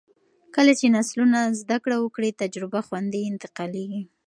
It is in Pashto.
کله چې نسلونه زده کړه وکړي، تجربه خوندي انتقالېږي.